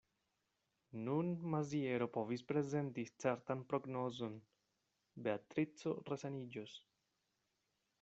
Nun Maziero povis prezenti certan prognozon: Beatrico resaniĝos.